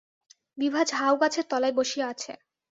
বিভা ঝাউগাছের তলায় বসিয়া আছে।